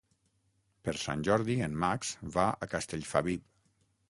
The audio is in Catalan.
Per Sant Jordi en Max va a Castellfabib.